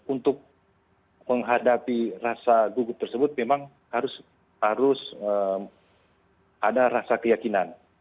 untuk menghadapi rasa gugup tersebut memang harus ada rasa keyakinan